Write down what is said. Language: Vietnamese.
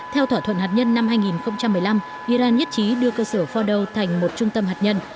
theo thỏa thuận hạt nhân năm hai nghìn một mươi năm iran nhất trí đưa cơ sở fordow thành một trung tâm hạt nhân